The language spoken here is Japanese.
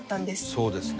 そうですね。